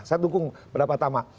saya dukung berapa pertama